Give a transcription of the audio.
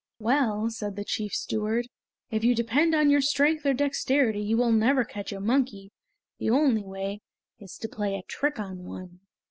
"Well," said the chief steward, "if you depend on your strength or dexterity you will never catch a monkey. The only way is to play a trick on one!"